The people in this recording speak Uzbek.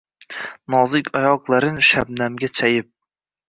Nozik oyoqlarin shabnamga chayib.